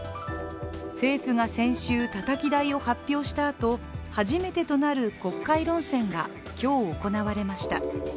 政府が先週、たたき台を発表したあと初めてとなる国会論戦が今日行われました。